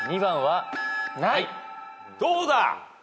どうだ？